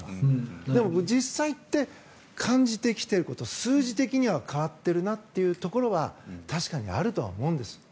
でも実際行って感じてきていること数字的には変わっているなというところは確かにあると思うんです。